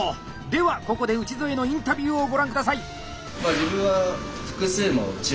ではここで内添のインタビューをご覧下さい！